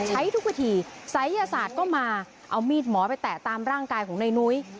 ใช้ทุกวิธีศัยยศาสตร์ก็มาเอามีดหมอไปแตะตามร่างกายของในนุ้ย